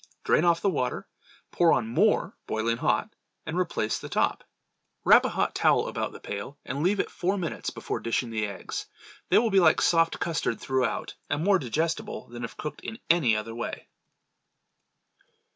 Drain off the water, pour on more boiling hot and replace the top. Wrap a hot towel about the pail, and leave it four minutes before dishing the eggs. They will be like a soft custard throughout, and more digestible than if cooked in any other way.